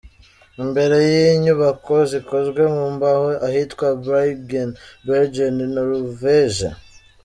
Imbere y'inyubako zikozwe mu mbaho ahitwa Bryggen Bergen, Noruveje.